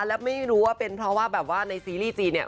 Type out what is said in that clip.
และไม่รู้ว่าเป็นเพราะว่าแบบว่าในซีรีส์จีนเนี่ย